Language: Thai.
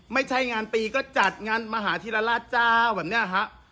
ไม่ใช่งานปีก็จัดงานมหาธิรราชเจ้าแบบนี้ฮะ